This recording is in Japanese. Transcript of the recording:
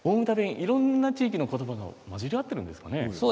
いろいろな地域のことばが混じり合っているんですかね。